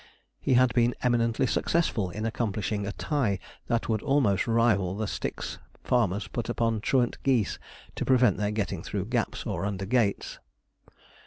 He had been eminently successful in accomplishing a tie that would almost rival the sticks farmers put upon truant geese to prevent their getting through gaps or under gates.